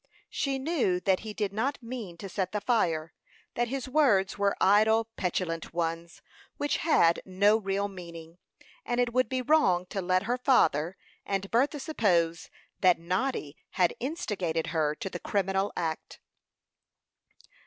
She knew that he did not mean to set the fire; that his words were idle, petulant ones, which had no real meaning; and it would be wrong to let her father and Bertha suppose that Noddy had instigated her to the criminal act.